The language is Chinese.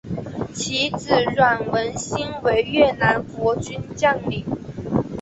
其子阮文馨为越南国军将领。